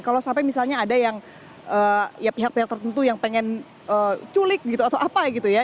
kalau sampai misalnya ada yang ya pihak pihak tertentu yang pengen culik gitu atau apa gitu ya